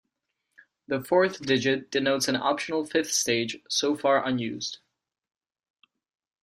The fourth digit denotes an optional fifth stage, so far unused.